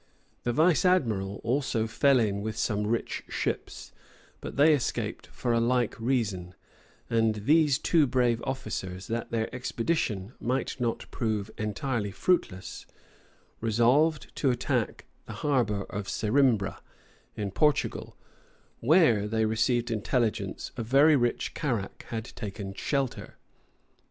The vice admiral also fell in with some rich ships, but they escaped for a like reason; and these two brave officers, that their expedition might not prove entirely fruitless, resolved to attack the harbor of Cerimbra, in Portugal; where, they received intelligence, a very rich carrack had taken shelter.